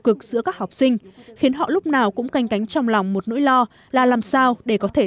cực giữa các học sinh khiến họ lúc nào cũng canh cánh trong lòng một nỗi lo là làm sao để có thể